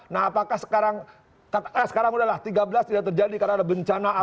nah apakah sekarang udahlah tiga belas tidak terjadi karena ada bencana